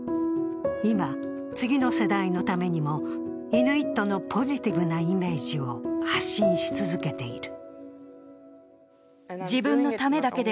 今、次の世代のためにもイヌイットのポジティブなイメージを発信し続けている。